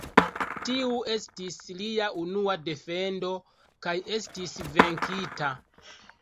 Tiu estis lia unua defendo kaj estis venkita.